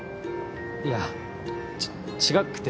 いやち違くて。